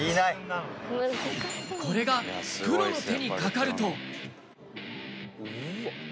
これがプロの手にかかると。